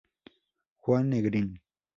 Juan Negrín.